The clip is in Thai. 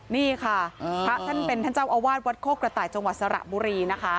นี่ค่ะพระท่านเป็นท่านเจ้าอาวาสวัดโคกระต่ายจังหวัดสระบุรีนะคะ